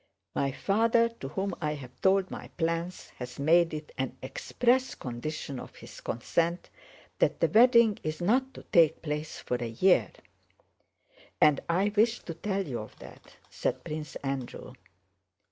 "My father, to whom I have told my plans, has made it an express condition of his consent that the wedding is not to take place for a year. And I wished to tell you of that," said Prince Andrew.